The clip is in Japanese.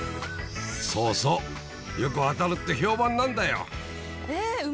そうそうよく当たるって評判なんだよ